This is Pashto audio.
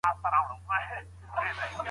د جهاد پر مهال یې کورنۍ دواړه مبارزې وکړې.